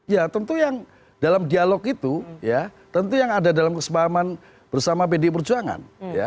ya tentu yang dalam dialog itu ya tentu yang ada dalam kesepahaman bersama pdi perjuangan